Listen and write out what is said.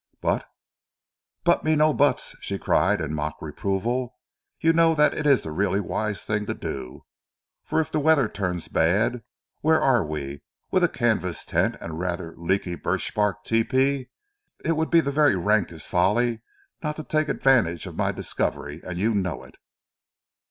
"But " "But me no buts," she cried in mock reproval. "You know that it is the really wise thing to do, for if the weather turns bad, where are we with a canvas tent and a rather leaky birch bark tepee? It would be the very rankest folly not to take advantage of my discovery and you know it."